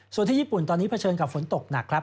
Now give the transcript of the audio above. ส่วนที่ญี่ปุ่นตอนนี้เผชิญกับฝนตกหนักครับ